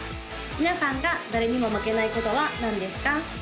皆さんが誰にも負けないことは何ですか？